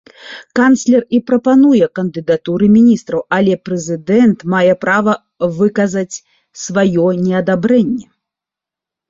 Канцлер і прапануе кандыдатуры міністраў, але прэзідэнт мае права выказаць сваё неадабрэнне.